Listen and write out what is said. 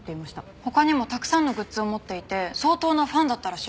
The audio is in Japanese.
他にもたくさんのグッズを持っていて相当なファンだったらしいです。